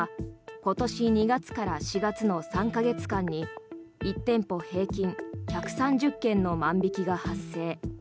今年２月から４月の３か月間に１店舗平均１３０件の万引きが発生。